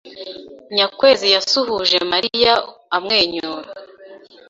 Nyakwezi yasuhuje Mariya amwenyura.